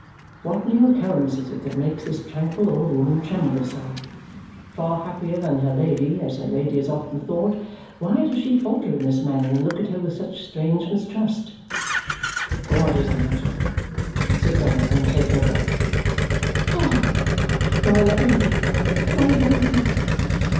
What new occurrence is it that makes this tranquil old woman tremble so? Far happier than her Lady, as her Lady has often thought, why does she falter in this manner and look at her with such strange mistrust? "What is the matter? Sit down and take your breath." "Oh, my Lady, my Lady.